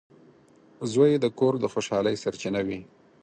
• زوی د کور د خوشحالۍ سرچینه وي.